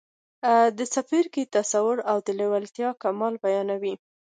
دا څپرکی تصور او د لېوالتیا کمال بيانوي.